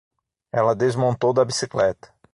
Ela desmontou da bicicleta.